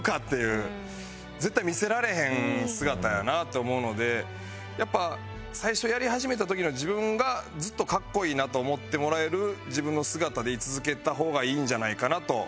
絶対見せられへん姿やなと思うのでやっぱ最初やり始めた時の自分がずっとかっこいいなと思ってもらえる自分の姿で居続けた方がいいんじゃないかなと。